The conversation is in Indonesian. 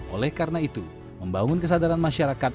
oleh karena itu membangun kesadaran masyarakat